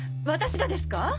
私がですか？